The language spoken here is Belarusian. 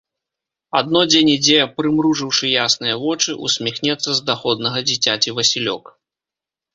Адно дзе-нідзе, прымружыўшы ясныя вочы, усміхнецца з даходнага дзіцяці васілёк.